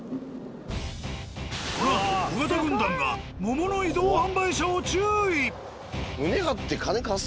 このあと尾形軍団が桃の移動販売車を注意！